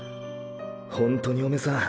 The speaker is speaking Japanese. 本当におめさん